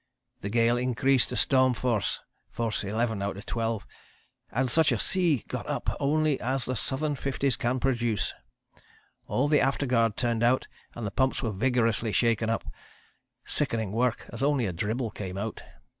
The gale increased to storm force (force 11 out of 12) and such a sea got up as only the Southern Fifties can produce. All the afterguard turned out and the pumps were vigorously shaken up, sickening work as only a dribble came out.